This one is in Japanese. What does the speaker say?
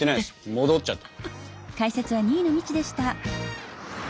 戻っちゃった。